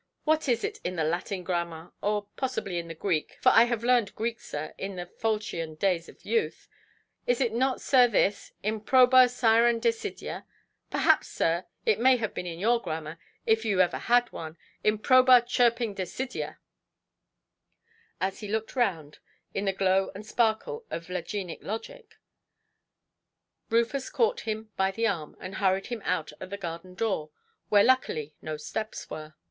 What is it in the Latin grammar—or possibly in the Greek, for I have learned Greek, sir, in the faulchion days of youth;—is it not, sir, this: improba Siren desidia? Perhaps, sir, it may have been in your grammar, if you ever had one, improba chirping desidia". As he looked round, in the glow and sparkle of lagenic logic, Rufus caught him by the arm, and hurried him out at the garden door, where luckily no steps were.